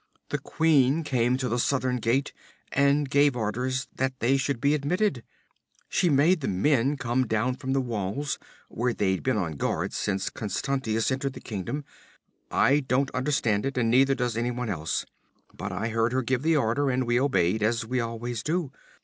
"The queen came to the southern gate and gave orders that they should be admitted. She made the men come down from the walls, where they've been on guard since Constantius entered the kingdom. I don't understand it, and neither does anyone else, but I heard her give the order, and we obeyed as we always do.